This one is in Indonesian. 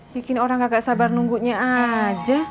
bikin orang agak sabar nunggunya aja